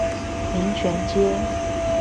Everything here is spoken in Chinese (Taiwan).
民權街